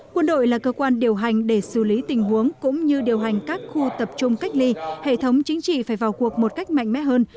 quân đội là cơ quan điều hành để xử lý tình huống cũng như điều hành các khu tập trung cách ly hệ thống chính trị phải vào cuộc một cách mạnh mẽ hơn